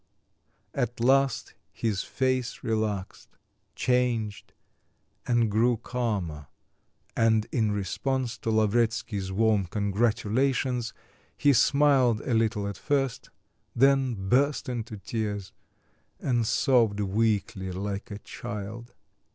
At last his face relaxed, changed, and grew calmer, and in response to Lavretsky's warm congratulations he smiled a little at first, then burst into tears, and sobbed weakly like a child.